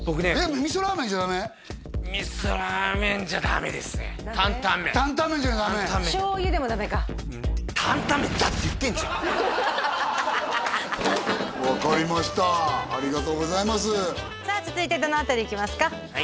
分かりましたありがとうございますさあ続いてどの辺りいきますか？